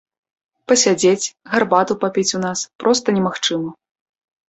Пасядзець, гарбату папіць у нас проста немагчыма.